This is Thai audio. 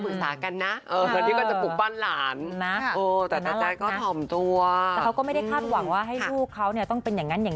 ไม่มันแบบก็มีวิธีตกแต่งหน้า